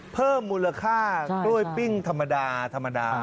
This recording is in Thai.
เพิ่มมูลค่ากล้วยปิ้งธรรมดาธรรมดา